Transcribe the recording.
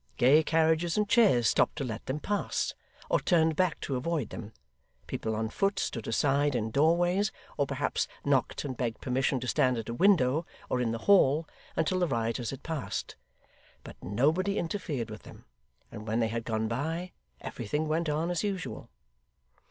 Gay carriages and chairs stopped to let them pass, or turned back to avoid them; people on foot stood aside in doorways, or perhaps knocked and begged permission to stand at a window, or in the hall, until the rioters had passed: but nobody interfered with them; and when they had gone by, everything went on as usual.